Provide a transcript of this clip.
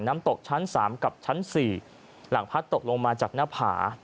น้ำตกชั้น๓กับชั้น๔หลังพัดตกลงมาจากหน้าผา